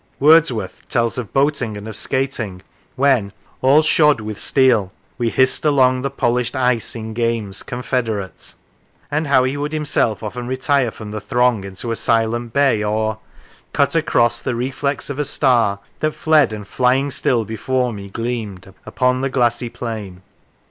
Wordsworth tells of boating and of skating, when all shod with steel We hissed along the polished ice in games Confederate; and how he would himself of ten' retire from the throng into a silent bay, or cut across the reflex of a star That fled, and flying still before me, gleamed Upon the glassy plain.